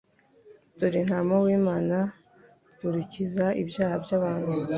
Dore ntama w’Imana, dore ukiza ibyaha by’abantu